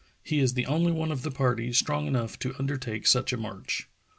He is the only one of the party strong enough to undertake such a march."